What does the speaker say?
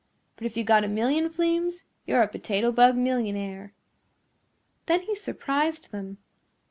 But if you got a million fleems you're a Potato Bug millionaire." Then he surprised them.